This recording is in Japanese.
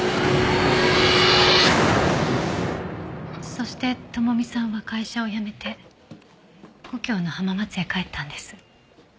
そして朋美さんは会社を辞めて故郷の浜松へ帰ったんです。